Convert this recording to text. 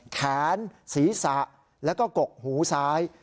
แขนศีรษะแล้วก็กกหูซ้าย